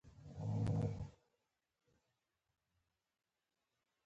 د ظالم په مقابل کي د مظلوم دفاع د مشرانو حق دی.